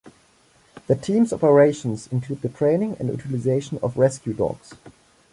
The team's operations include the training and utilisation of rescue dogs.